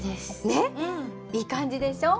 ねっいい感じでしょう？